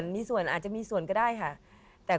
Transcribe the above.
มีส่วนอาจจะมีส่วนก็ได้ค่ะ